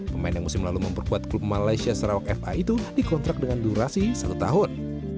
pemain yang musim lalu memperkuat klub malaysia sarawak fa itu dikontrak dengan durasi satu tahun